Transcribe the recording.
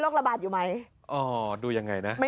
คุณผู้ชมถามมาในไลฟ์ว่าเขาขอฟังเหตุผลที่ไม่ให้จัดอีกที